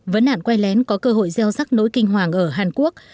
vấn nạn quay lén có cơ hội gieo rắc nỗi kinh hoàng ở hàn quốc